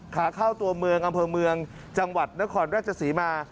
ขาเข้าตัวเมืองอำเภอเมืองจังหวัดนครราชศรีมา